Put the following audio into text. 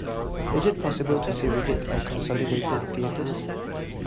Is it possible to see Riddick at Consolidated Theatres